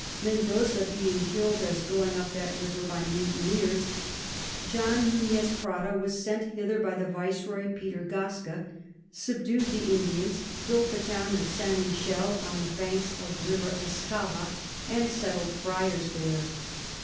Mendoza being kill'd as going up that River by Mutineers, John Nunez Prada was sent hither by the Viceroy Peter Gasca, subdu'd the Indians, built the Town of St. Michel on the Banks of the River Escava, and settled Fryars there.